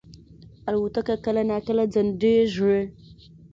الوتکه کله ناکله ځنډېږي.